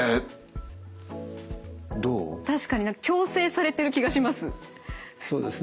確かに矯正されてる気がします。